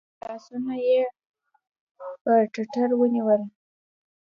لاسونه یې پر ټتر ونیول .